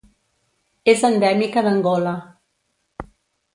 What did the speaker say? És endèmica d'Angola.